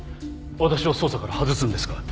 私を捜査から外すんですか？